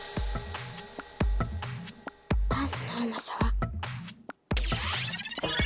ダンスのうまさは？